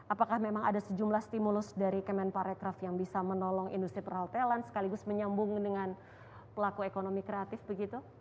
apakah memang ada sejumlah stimulus dari kemenparekraf yang bisa menolong industri perhotelan sekaligus menyambung dengan pelaku ekonomi kreatif begitu